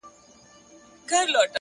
ښه نیت لارې اسانه کوي!